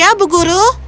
iya bu guru